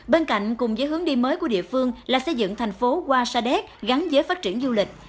bên cạnh cùng với hướng đi mới của địa phương là xây dựng thành phố hoa sa đéc gắn với phát triển du lịch